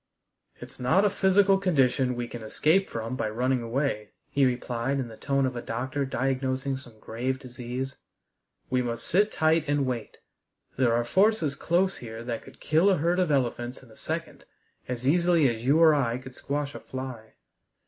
"It's not a physical condition we can escape from by running away," he replied, in the tone of a doctor diagnosing some grave disease; "we must sit tight and wait. There are forces close here that could kill a herd of elephants in a second as easily as you or I could squash a fly.